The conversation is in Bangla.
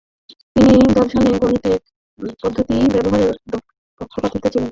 তিনি দর্শনে গাণিতিক পদ্ধতি ব্যবহারের পক্ষপাতি ছিলেন।